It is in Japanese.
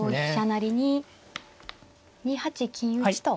成に２八金打と。